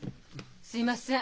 すみません。